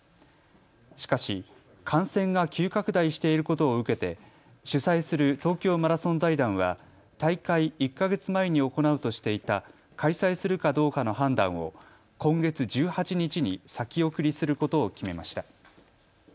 しかし感染が急拡大していることを受けて主催する東京マラソン財団は大会１か月前に行うとしていた開催するかどうかの判断を今月１８日に先送りすることを決めました。